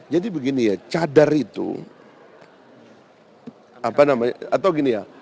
jadi begini ya cadar itu apa namanya atau gini ya